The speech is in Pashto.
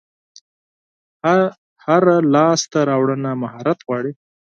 هره لاسته راوړنه مهارت غواړي.